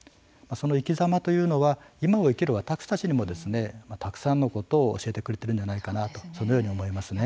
その生きざまというのは今を生きる私たちにもたくさんのことを教えてくれているんじゃないかなとそのように思いますね。